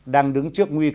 đang đứng trước nguy hiểm